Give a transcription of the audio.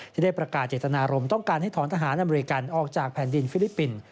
ได้ประกาศเจตนารมณ์ต้องการให้ถอนทหารอเมริกันออกจากแผ่นดินฟิลิปปินส์